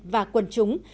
và quần chúng